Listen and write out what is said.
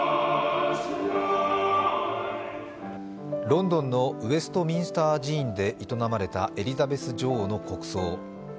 ロンドンのウェストミンスター寺院で営まれたエリザベス女王の国葬。